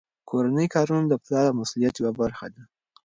کورني کارونه د پلار د مسؤلیت یوه برخه ده.